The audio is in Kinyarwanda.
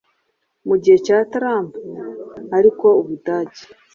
mu gihe cya Trump. Ariko Ubudage,